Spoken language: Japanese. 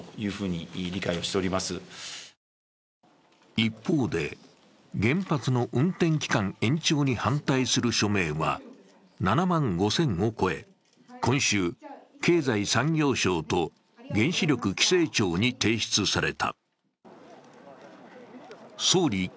一方で、原発の運転期間延長に反対する署名は７万５０００を超え今週、経済産業省と原子力規制庁に提出された。